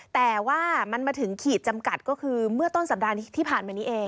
แต่ว่ามันมาถึงขีดจำกัดก็คือเมื่อต้นสัปดาห์ที่ผ่านมานี้เอง